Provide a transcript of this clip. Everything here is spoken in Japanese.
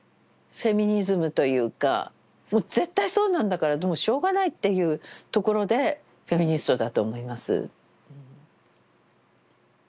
もう絶対そうなんだからもうしょうがないっていうところでフェミニストだと思います。